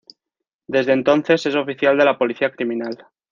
Desde entonces es oficial de la policía criminal.